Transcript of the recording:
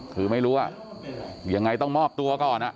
คือไม่รู้ว่ายังไงต้องมอบตัวก่อน